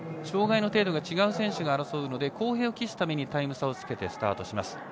障がいの程度が違う選手が争うので、公平を期すためにタイム差をつけてスタートします。